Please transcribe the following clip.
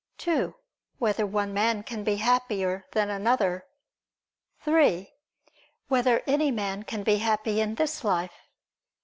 (2) Whether one man can be happier than another? (3) Whether any man can be happy in this life?